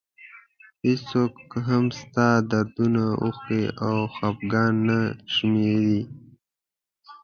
هېڅوک هم ستا دردونه اوښکې او خفګان نه شمېري.